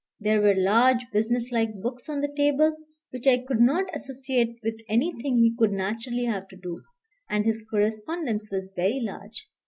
There were large business like books on the table, which I could not associate with anything he could naturally have to do; and his correspondence was very large.